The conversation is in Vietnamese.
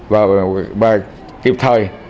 và kịp thời